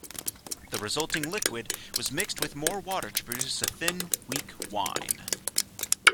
The resulting liquid was mixed with more water to produce a thin, weak wine.